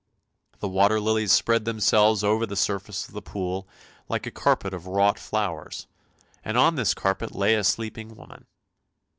The water lilies spread themselves over the surface of the pool like a carpet of wrought flowers, and on this carpet lay a sleeping woman.